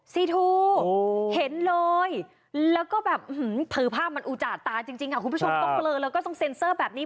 ซีทูเห็นเลยแล้วก็แบบเผยภาพมันอุจจาตาจริงค่ะคุณผู้ชมต้องเบลอแล้วก็ต้องเซ็นเซอร์แบบนี้